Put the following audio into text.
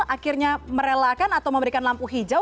akhirnya merelakan atau memberikan lampu hijau